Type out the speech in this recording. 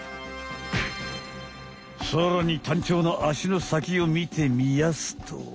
さらにタンチョウの足の先をみてみやすと。